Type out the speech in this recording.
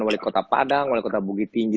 wali kota padang wali kota bukit tinggi